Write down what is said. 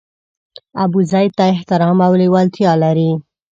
ابوزید ته احترام او لېوالتیا لري.